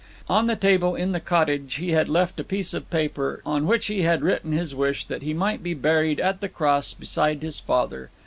On the table in the cottage he had left a piece of paper, on which he had written his wish that he might be buried at the Cross beside his father.